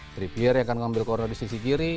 trivier yang akan mengambil corner di sisi kiri